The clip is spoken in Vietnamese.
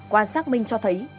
qua xác minh cho thấy